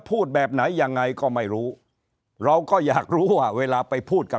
พูดแบบไหนยังไงก็ไม่รู้เราก็อยากรู้ว่าเวลาไปพูดกับ